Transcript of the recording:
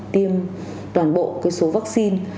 tiêm toàn bộ cái số vaccine